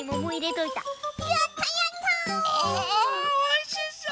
おいしそう！